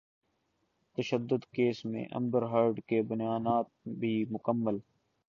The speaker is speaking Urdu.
تشدد کیس میں امبر ہرڈ کے بیانات بھی مکمل